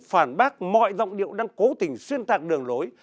phản bác mọi giọng điệu đang cố tình xuyên tạc đường lối